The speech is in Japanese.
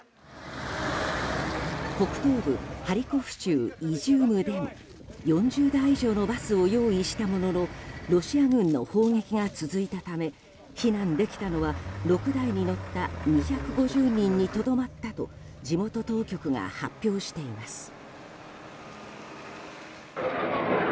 北東部ハリコフ州イジュームでも４０台以上のバスを用意したもののロシア軍の砲撃が続いたため避難できたのは６台に乗った２５０人にとどまったと地元当局が発表しています。